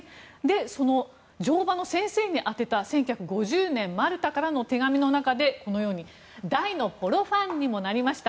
その乗馬の先生に宛てた１９５０年マルタからの手紙の中でこのように大のポロファンにもなりました。